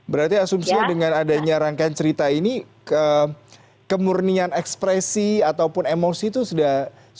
berarti asumsinya dengan adanya rangkaian cerita ini kemurnian ekspresi ataupun emosi itu sudah